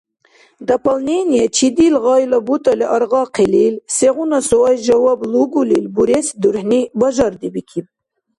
Дополнение чидил гъайла бутӀали аргъахъилил, сегъуна суайс жаваб лугулил бурес дурхӀни бажардибикиб.